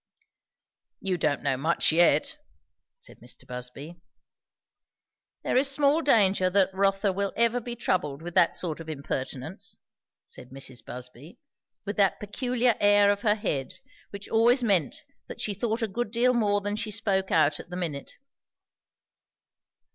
"You don't know much yet," said Mr. Busby. "There is small danger that Rotha will ever be troubled with that sort of impertinence," said Mrs. Busby, with that peculiar air of her head, which always meant that she thought a good deal more than she spoke out at the minute.